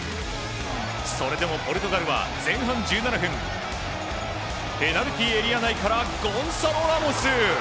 それでもポルトガルは前半１７分ペナルティーエリアからゴンサロ・ラモス！